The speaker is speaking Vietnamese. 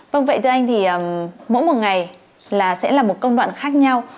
vâng vậy thưa anh thì mỗi một ngày là sẽ là một công đoạn khác nhau